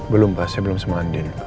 belum pak saya belom sama andin